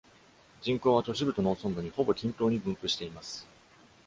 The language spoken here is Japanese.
人口は都市部と農村部にほぼ均等に分布しています。